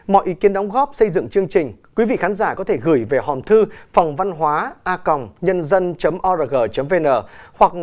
mọi ý kiến đóng góp xây dựng chương trình quý vị khán giả có thể gửi về hòm thư phòngvănhoanhân org vn hoặc